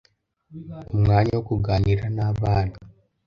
Umwanya wo kuganira n'abana